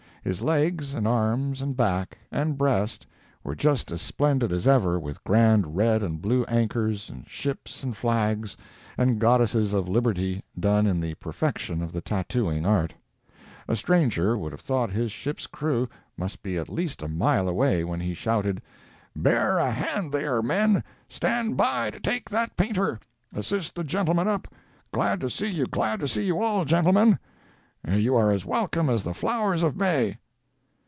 His legs, and arms, and back, and breast, were just as splendid as ever with grand red and blue anchors, and ships and flags, and goddesses of liberty, done in the perfection of the tattooing art. A stranger would have thought his ship's crew must be at least a mile away when he shouted: "Bear a hand there, men! Stand by to take that painter! Assist the gentleman up! Glad to see you—glad to see you all, gentlemen! You are as welcome as the flowers of May!"